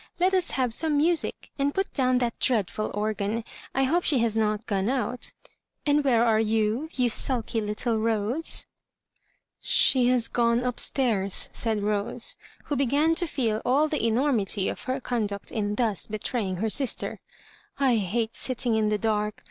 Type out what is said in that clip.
Let us have some music, and put down that dreadful organ. ^ I hope she has not gone out And where are you, you sulky little Rose ?"" She has gone up stairs," said Rose, who be gan to feel all the enormity of her conduct in thus betraying her sister. " I hate sitting in the dark.